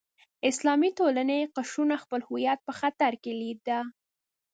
اسلامي ټولنې قشرونو خپل هویت په خطر کې لیده.